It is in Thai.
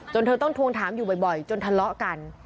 เธอต้องทวงถามอยู่บ่อยจนทะเลาะกัน